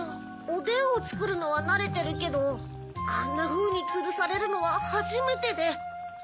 おでんをつくるのはなれてるけどあんなふうにつるされるのははじめてで。